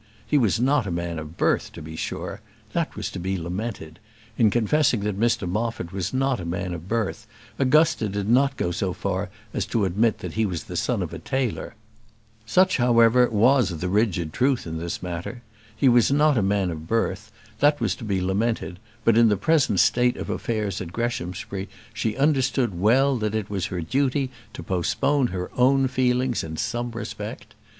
He was not a man of birth, to be sure; that was to be lamented; in confessing that Mr Moffat was not a man of birth, Augusta did not go so far as to admit that he was the son of a tailor; such, however, was the rigid truth in this matter he was not a man of birth, that was to be lamented; but in the present state of affairs at Greshamsbury, she understood well that it was her duty to postpone her own feelings in some respect.